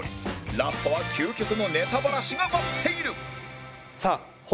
ラストは究極のネタバラシが待っている